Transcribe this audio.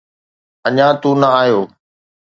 اڃا تون نه آيون.